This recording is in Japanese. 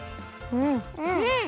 うん！